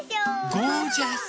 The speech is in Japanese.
ゴージャス。